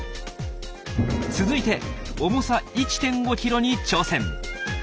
続いて重さ１．５ｋｇに挑戦。